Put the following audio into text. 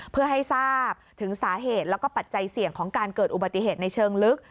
เพื่อให้ทราบถึงสาเหตุแล้วก็ปัจจัยเสี่ยงของการเกิดอุบัติเหตุในเชิงลึก